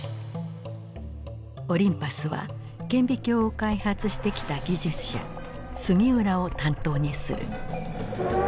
オリンパスは顕微鏡を開発してきた技術者杉浦を担当にする。